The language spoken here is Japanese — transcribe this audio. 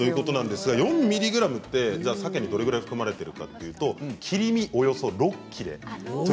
４ｍｇってサケにどれくらい含まれているかというと切り身およそ６切れ。